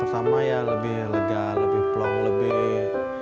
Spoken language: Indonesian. sama ya lebih lega lebih plong lebih